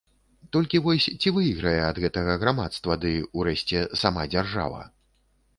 Толькі вось ці выйграе ад гэтага грамадства ды, урэшце, сама дзяржава?